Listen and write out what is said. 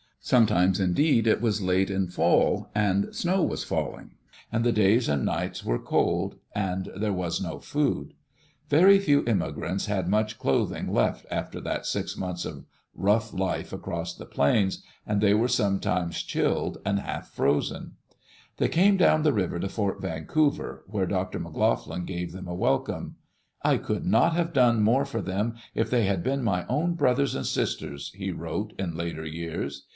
Sometimes, indeed, it was late in the fall, and snow was falling, and the days and nights were cold, and there was no food. Very few immi grants had much clothing left after that six months of Digitized by CjOOQ IC EARLY DAYS IN OLD OREGON roug^ life across the plains, and they were sometimes chilled and half frozen. They came down the river to Fort Vancouver where Dr. McLoughlin gave them a welcome. I could not have done more for them if they had been my own brothers and sisters, he wrote in later years.